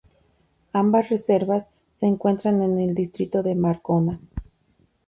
Ambas reservas se encuentran en el distrito de Marcona.